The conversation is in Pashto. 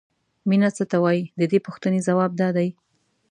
مینه څه ته وایي د دې پوښتنې ځواب دا دی.